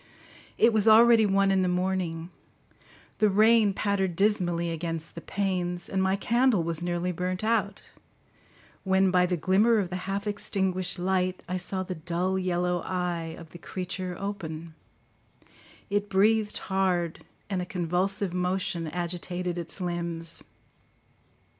It was already one in the morning; the rain pattered dismally against the panes, and my candle was nearly burnt out, when, by the glimmer of the half extinguished light, I saw the dull yellow eye of the creature open; it breathed hard, and a convulsive motion agitated its limbs.